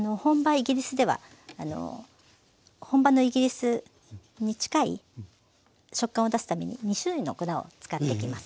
イギリスでは本場のイギリスに近い食感を出すために２種類の粉を使っていきます。